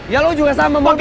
ya lu juga sama modus